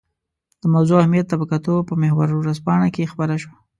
د موضوع اهمیت ته په کتو په محور ورځپاڼه کې خپره شوې.